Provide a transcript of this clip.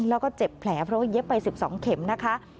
แล้วก็เจ็บแผลเพราะว่าเย็บไป๑๒เข็มนะคะ